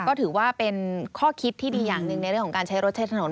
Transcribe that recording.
ก็ถือว่าเป็นข้อคิดที่ดีอย่างหนึ่งในเรื่องของการใช้รถใช้ถนน